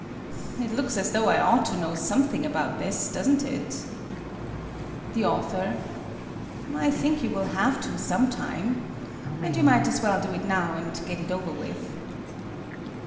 It looks as though I ought to know some thing about this, doesn't it ?. The Author: I think you will have to sometime. And you might as well do it now and get it over with.